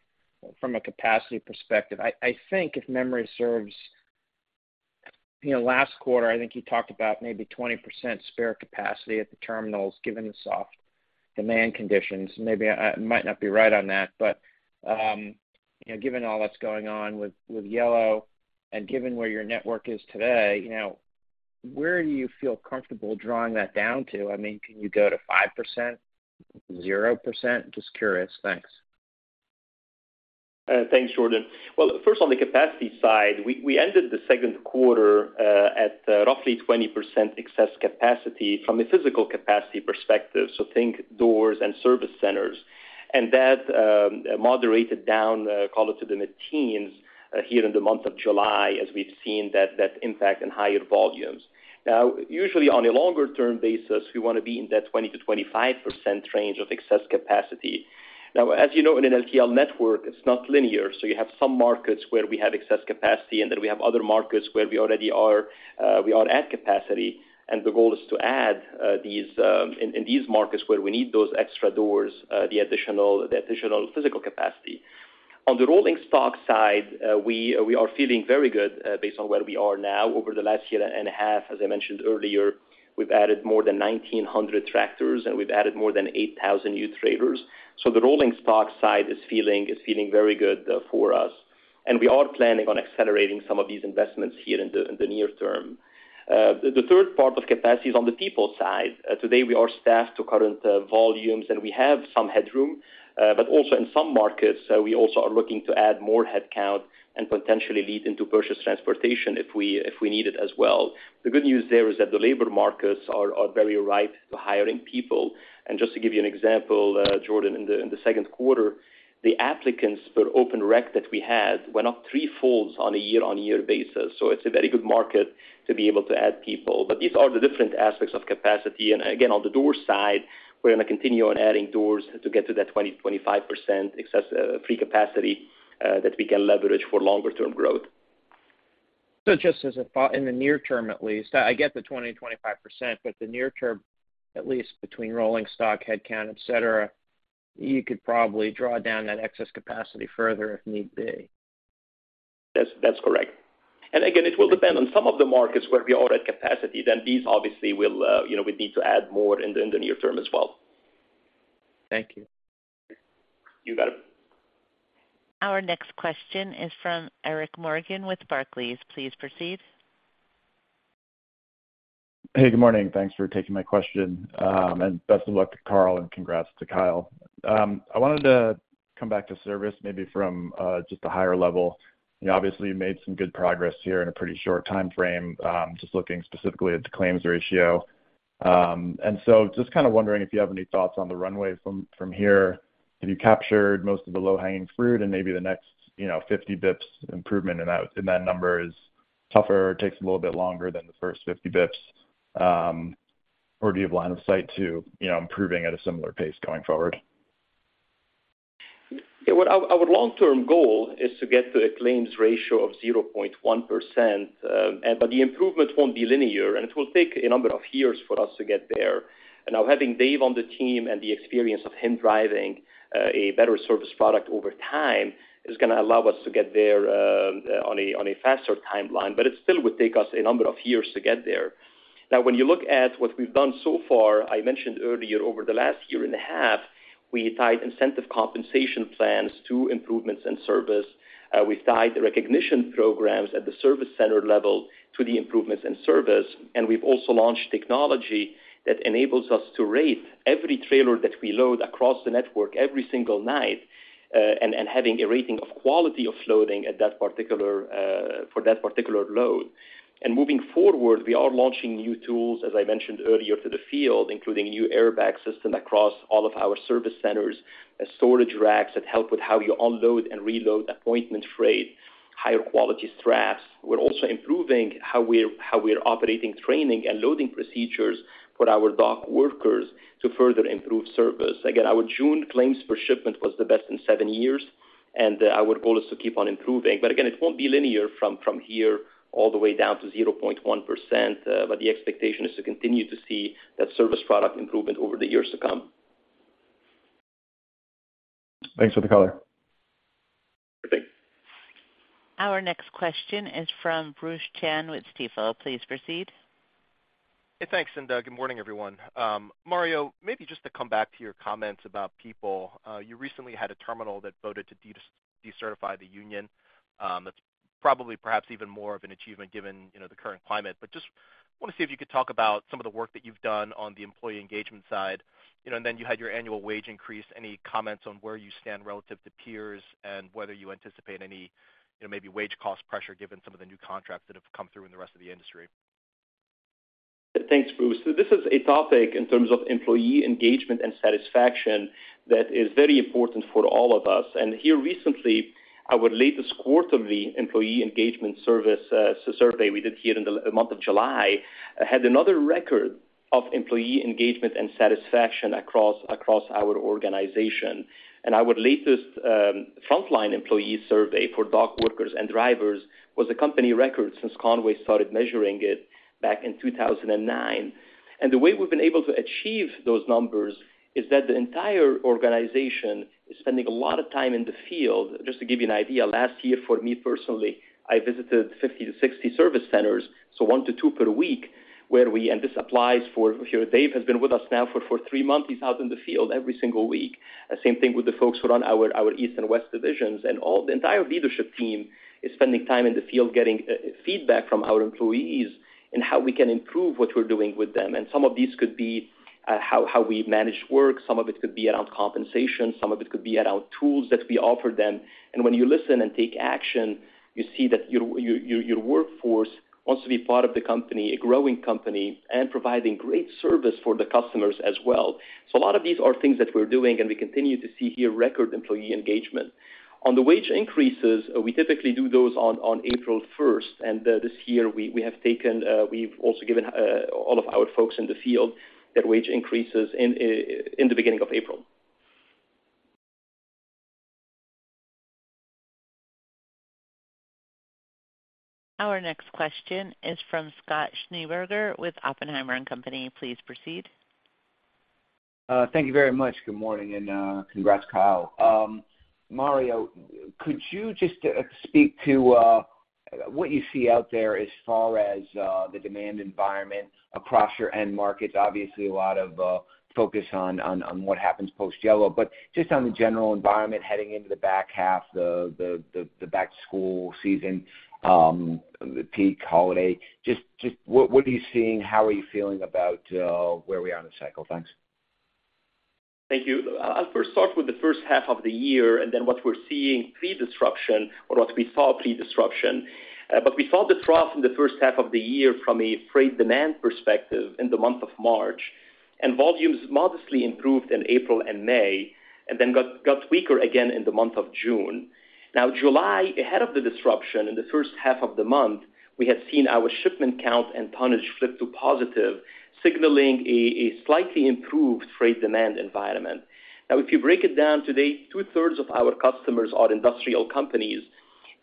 Speaker 14: from a capacity perspective. I think if memory serves you know, last quarter, I think you talked about maybe 20% spare capacity at the terminals, given the soft demand conditions. Maybe I, I might not be right on that, but, you know, given all that's going on with, with Yellow and given where your network is today, you know, where do you feel comfortable drawing that down to? I mean, can you go to 5%, 0%? Just curious. Thanks.
Speaker 2: Thanks, Jordan. Well, first, on the capacity side, we ended the second quarter at roughly 20% excess capacity from a physical capacity perspective, so think doors and service centers. That moderated down, call it to the mid-teens, here in the month of July, as we've seen that, that impact in higher volumes. Now, usually, on a longer-term basis, we want to be in that 20%-25% range of excess capacity. Now, as you know, in an LTL network, it's not linear, so you have some markets where we have excess capacity, and then we have other markets where we already are, we are at capacity. The goal is to add these in these markets where we need those extra doors, the additional physical capacity. On the rolling stock side, we are feeling very good based on where we are now. Over the last year and a half, as I mentioned earlier, we've added more than 1,900 tractors, and we've added more than 8,000 new trailers. The rolling stock side is feeling very good for us, and we are planning on accelerating some of these investments here in the near term. The third part of capacity is on the people side. Today, we are staffed to current volumes, and we have some headroom. Also in some markets, we also are looking to add more headcount and potentially lead into purchased transportation if we need it as well. The good news there is that the labor markets are very ripe to hiring people. Just to give you an example, Jordan, in the second quarter, the applicants per open req that we had went up threefolds on a year-over-year basis. It's a very good market to be able to add people. These are the different aspects of capacity. Again, on the door side, we're going to continue on adding doors to get to that 20%-25% excess, free capacity, that we can leverage for longer-term growth.
Speaker 14: Just as a thought, in the near term, at least, I get the 20%-25%, but the near term, at least between rolling stock, headcount, et cetera, you could probably draw down that excess capacity further if need be.
Speaker 2: That's, that's correct. Again, it will depend on some of the markets where we are at capacity, then these obviously will, you know, we need to add more in the, in the near term as well.
Speaker 14: Thank you.
Speaker 2: You got it.
Speaker 1: Our next question is from Eric Morgan with Barclays. Please proceed.
Speaker 15: Hey, good morning. Thanks for taking my question. Best of luck to Carl, and congrats to Kyle. I wanted to come back to service, maybe from just a higher level. You know, obviously, you made some good progress here in a pretty short time frame, just looking specifically at the claims ratio. Just kind of wondering if you have any thoughts on the runway from here. Have you captured most of the low-hanging fruit and maybe the next, you know, 50 basis points improvement in that, in that number is tougher, takes a little bit longer than the first 50 basis points, or do you have line of sight to, you know, improving at a similar pace going forward?
Speaker 2: Yeah. Well, our, our long-term goal is to get to a claims ratio of 0.1%, and but the improvement won't be linear, and it will take a number of years for us to get there. Now, having Dave on the team and the experience of him driving a better service product over time, is going to allow us to get there on a faster timeline, but it still would take us a number of years to get there. Now, when you look at what we've done so far, I mentioned earlier, over the last year and a half, we tied incentive compensation plans to improvements in service. We've tied the recognition programs at the service center level to the improvements in service, and we've also launched technology that enables us to rate every trailer that we load across the network every single night, and having a rating of quality of loading at that particular, for that particular load. Moving forward, we are launching new tools, as I mentioned earlier, to the field, including new airbag system across all of our service centers, storage racks that help with how you unload and reload appointment freight, higher quality straps. We're also improving how we're, how we are operating training and loading procedures for our dock workers to further improve service. Again, our June claims per shipment was the best in seven years, and our goal is to keep on improving. Again, it won't be linear from, from here all the way down to 0.1%. The expectation is to continue to see that service product improvement over the years to come.
Speaker 15: Thanks for the color.
Speaker 2: Okay.
Speaker 1: Our next question is from Bruce Chan with Stifel. Please proceed.
Speaker 16: Hey, thanks. Good morning, everyone. Mario, maybe just to come back to your comments about people. You recently had a terminal that voted to decertify the union. That's probably perhaps even more of an achievement given, you know, the current climate. Just want to see if you could talk about some of the work that you've done on the employee engagement side. You know, then you had your annual wage increase. Any comments on where you stand relative to peers and whether you anticipate any, you know, maybe wage cost pressure, given some of the new contracts that have come through in the rest of the industry?
Speaker 2: Thanks, Bruce. This is a topic in terms of employee engagement and satisfaction that is very important for all of us. Here recently, our latest quarterly employee engagement survey we did here in the month of July, had another record of employee engagement and satisfaction across our organization. Our latest frontline employee survey for dock workers and drivers was a company record since Con-way started measuring it back in 2009. The way we've been able to achieve those numbers is that the entire organization is spending a lot of time in the field. Just to give you an idea, last year, for me personally, I visited 50 to 60 service centers, so one to twoi per week, where and this applies for here. Dave has been with us now for three months. He's out in the field every single week. The same thing with the folks who run our East and West divisions, and all the entire leadership team is spending time in the field getting feedback from our employees on how we can improve what we're doing with them. Some of these could be how we manage work, some of it could be around compensation, some of it could be around tools that we offer them. When you listen and take action, you see that your workforce wants to be part of the company, a growing company, and providing great service for the customers as well. A lot of these are things that we're doing, and we continue to see here record employee engagement. On the wage increases, we typically do those on April 1st, and this year we have taken, we've also given, all of our folks in the field their wage increases in the beginning of April.
Speaker 1: Our next question is from Scott Schneeberger with Oppenheimer and Company. Please proceed.
Speaker 17: Thank you very much. Good morning, and congrats, Kyle. Mario, could you just speak to what you see out there as far as the demand environment across your end markets? Obviously, a lot of focus on what happens post-Yellow, but just on the general environment, heading into the back half, the back-to-school season, the peak holiday, just what are you seeing? How are you feeling about where we are in the cycle? Thanks.
Speaker 2: Thank you. I'll first start with the first half of the year and then what we're seeing pre-disruption or what we saw pre-disruption. We saw the trough in the first half of the year from a freight demand perspective in the month of March, and volumes modestly improved in April and May and then got weaker again in the month of June. Now, July, ahead of the disruption in the first half of the month, we had seen our shipment count and tonnage flip to positive, signaling a, a slightly improved freight demand environment. Now, if you break it down today, two-thirds of our customers are industrial companies,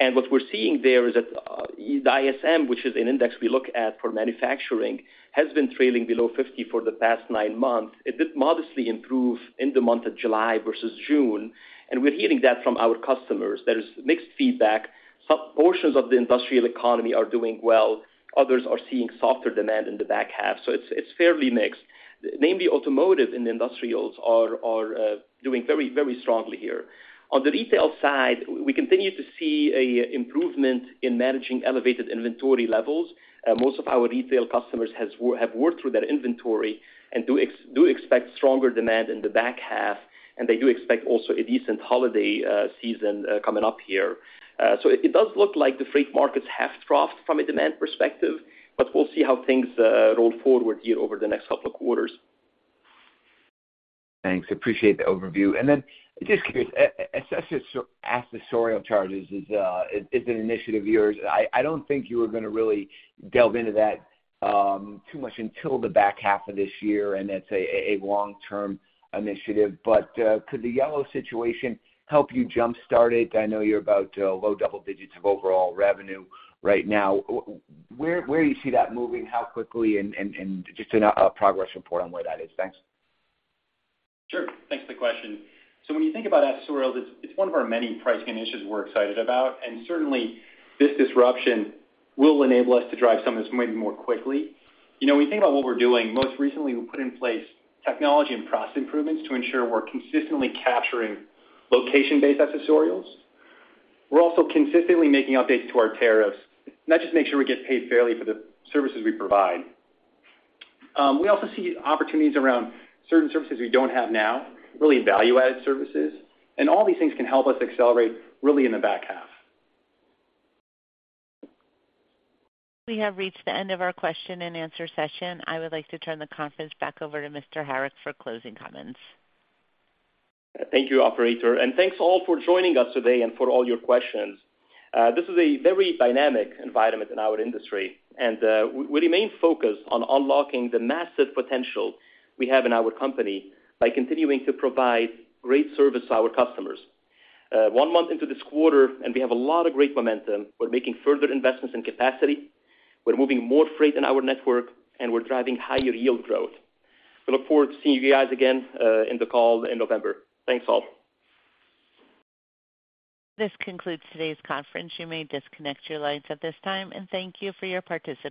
Speaker 2: and what we're seeing there is that the ISM, which is an index we look at for manufacturing, has been trailing below 50 for the past nine months. It did modestly improve in the month of July versus June, and we're hearing that from our customers. There is mixed feedback. Some portions of the industrial economy are doing well, others are seeing softer demand in the back half, so it's fairly mixed. Namely, automotive and industrials are doing very, very strongly here. On the retail side, we continue to see a improvement in managing elevated inventory levels. Most of our retail customers have worked through that inventory and do expect stronger demand in the back half, and they do expect also a decent holiday season coming up here. It does look like the freight markets have troughed from a demand perspective, but we'll see how things roll forward here over the next couple of quarters.
Speaker 17: Thanks. Appreciate the overview. Then, just curious, accessorial charges is an initiative of yours. I don't think you are gonna really delve into that too much until the back half of this year, and that's a long-term initiative. Could the Yellow situation help you jumpstart it? I know you're about low double digits of overall revenue right now. Where, where do you see that moving, how quickly and, and, and just a progress report on where that is? Thanks.
Speaker 3: Sure. Thanks for the question. When you think about accessorials, it's one of our many pricing initiatives we're excited about. Certainly, this disruption will enable us to drive some of this maybe more quickly. You know, when you think about what we're doing, most recently, we put in place technology and process improvements to ensure we're consistently capturing location-based accessorials. We're also consistently making updates to our tariffs, and that just makes sure we get paid fairly for the services we provide. We also see opportunities around certain services we don't have now, really value-added services, and all these things can help us accelerate really in the back half.
Speaker 1: We have reached the end of our question and answer session. I would like to turn the conference back over to Mr. Harik for closing comments.
Speaker 2: Thank you, operator, and thanks, all, for joining us today and for all your questions. This is a very dynamic environment in our industry, and we remain focused on unlocking the massive potential we have in our company by continuing to provide great service to our customers. One month into this quarter, and we have a lot of great momentum. We're making further investments in capacity, we're moving more freight in our network, and we're driving higher yield growth. We look forward to seeing you guys again, in the call in November. Thanks, all.
Speaker 1: This concludes today's conference. You may disconnect your lines at this time. Thank you for your participation.